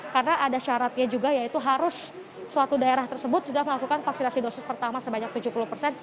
karena ada syaratnya juga yaitu harus suatu daerah tersebut sudah melakukan vaksinasi dosis pertama sebanyak tujuh puluh persen